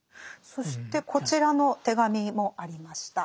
そしてこちらの手紙もありました。